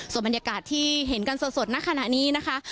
ส่วนบรรยากาศที่เห็นกันสดณขณะนี้นะคะ